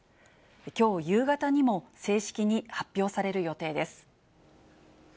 きょう夕方にも、正式に発表される予定です。